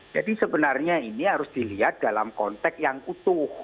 jadi sebenarnya ini harus dilihat dalam konteks yang utuh